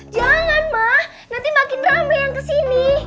jangan ma nanti makin ramai yang kesini